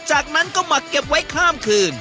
จากนั้นก็หมักเก็บไว้ข้ามคืน